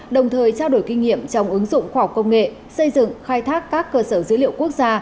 đồng thời trao đổi kinh nghiệm trong ứng dụng khoa học công nghệ xây dựng khai thác các cơ sở dữ liệu quốc gia